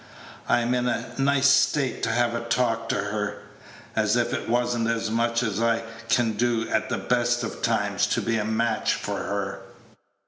I'm in a nice state to have to talk to her. As if it was n't as much as I can do at the best of times to be a match for her."